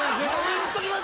言っときます。